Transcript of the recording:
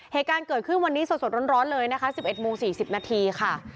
เหตุการณ์เกิดขึ้นวันนี้สดร้อนเลยนะคะ๑๑โมง๔๐นาทีค่ะ